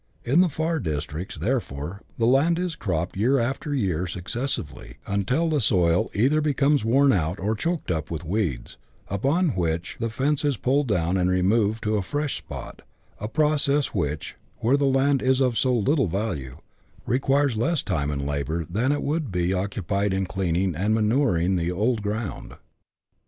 In the far districts, therefore, the land is cropped year after year successively, until the soil either becomes worn out or choked up with weeds, upon which the fence is pulled down and removed to a fresh spot, a process which, where land is of so little value, requires less time and labour than would be occupied in cleaning and manuring the old ground.